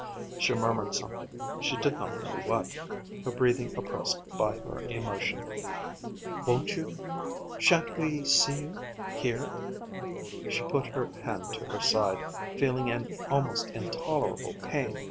She murmured something, she did not know what; her breathing oppressed by her emotion. "Won't you shan't we see you here ?" She put her hand to her side, feeling an almost intolerable pain.